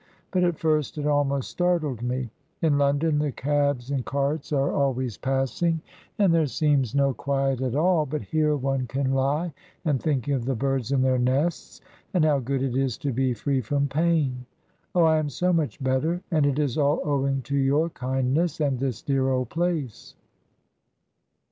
But at first it almost startled me. In London the cabs and carts are always passing, and there seems no quiet at all; but here, one can lie and think of the birds in their nests. And how good it is to be free from pain! Oh, I am so much better, and it is all owing to your kindness, and this dear old place!"